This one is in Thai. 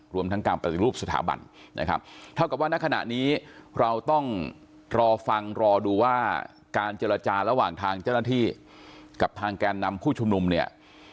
รวมทั้งการปฏิรูปสถาบันนะครับเท่ากับว่าณขณะนี้เราต้องรอฟังรอดูว่าการเจรจาระหว่างทางเจ้าหน้าที่กับทางแกนนำผู้ชุมนุมเนี่ย